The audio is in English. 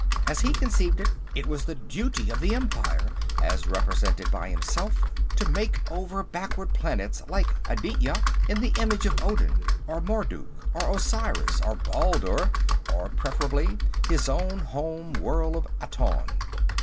As he conceived it, it was the duty of the Empire, as represented by himself, to make over backward planets like Aditya in the image of Odin or Marduk or Osiris or Baldur or, preferably, his own home world of Aton.